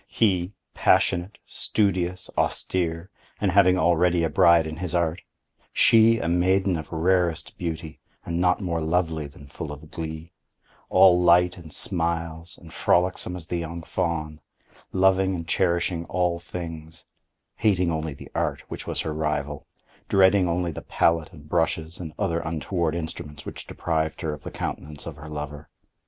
He, passionate, studious, austere, and having already a bride in his Art; she a maiden of rarest beauty, and not more lovely than full of glee; all light and smiles, and frolicsome as the young fawn; loving and cherishing all things; hating only the Art which was her rival; dreading only the pallet and brushes and other untoward instruments which deprived her of the countenance of her lover.